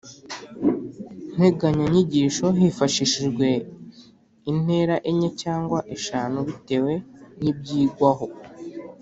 nteganyanyigisho hifashishijwe intera enye cyangwa eshanu bitewe n’ibyigwamo.